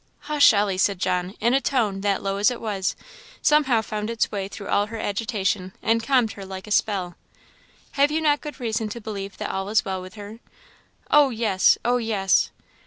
"Hush, Ellie!" said John, in a tone that, low as it was, somehow found its way through all her agitation, and calmed her like a spell; "have you not good reason to believe that all is well with her?" "Oh, yes! oh, yes!"